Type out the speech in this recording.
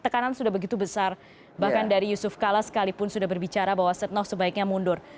kita sudah berbicara bahwa setnoff sebaiknya mundur